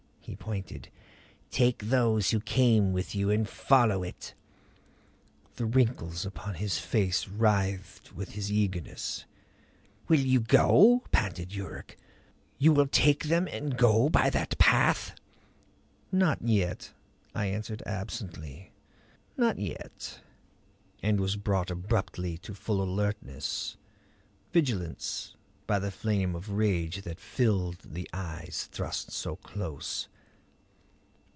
He pointed. "Take those who came with you and follow it." The wrinkles upon his face writhed with his eagerness. "You will go?" panted Yuruk. "You will take them and go by that path?" "Not yet," I answered absently. "Not yet." And was brought abruptly to full alertness, vigilance, by the flame of rage that filled the eyes thrust so close.